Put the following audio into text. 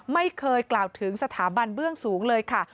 ไม่เคยกล่าวถึงสถาบันเบื้องสูงเลยค่ะ